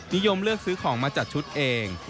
นิยมเลือกซื้อของมาจัดชุดเอง